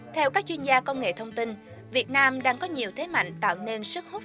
theo các chuyên gia công nghệ thông tin việt nam đang có nhiều thế mạnh tạo nên sức hút